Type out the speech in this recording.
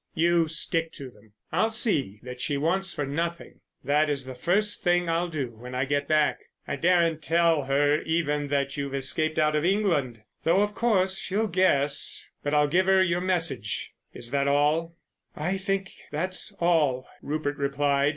"You stick to them. I'll see that she wants for nothing. That is the first thing I'll do when I get back. I daren't tell her even that you've escaped out of England, though of course, she'll guess. But I'll give her your message. Is that all?" "I think that's all," Rupert replied.